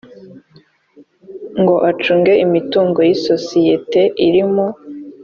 ngo acunge imitungo y isosiyete iri mu